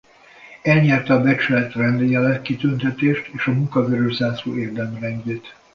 Elnyerte a Becsület Rendjele kitüntetést és a Munka Vörös Zászló Érdemrendjét.